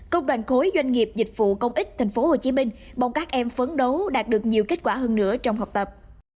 công đoàn khối doanh nghiệp dịch vụ công ích tp hcm mong các em phấn đấu đạt được nhiều kết quả hơn nữa trong học tập